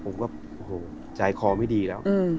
ผมก็โอ้โหใจคอไม่ดีแล้ว